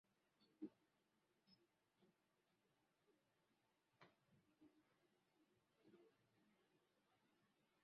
naye makamu wa rais wa benki kuu ya umoja wa ulaya